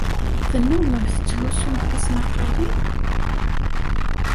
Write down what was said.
Tennummemt tettlusumt tismaqqalin?